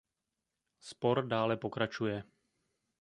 Spor dále pokračuje.